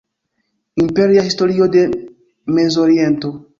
Imperia Historio de Mezoriento.